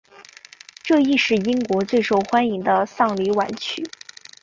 这亦是英国最受欢迎的丧礼挽曲。